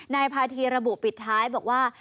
นายพาธีระบุปิดท้ายบอกว่า